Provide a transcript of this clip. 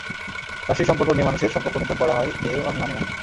রাশির সম্পর্ক দিয়ে মানুষের সম্পর্ক নির্ধারণ করা হয়-এও আমি মানি না।